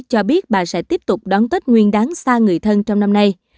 cho biết bà sẽ tiếp tục đón tết nguyên đáng xa người thân trong năm nay